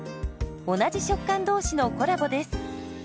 同じ食感同士のコラボです。